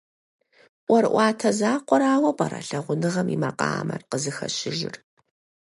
ӀуэрыӀуатэ закъуэрауэ пӀэрэ лъагъуныгъэм и макъамэр къызыхэщыжыр?